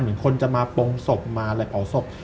เหมือนคนจะมาโปรงศพมาอะไรเผาศพ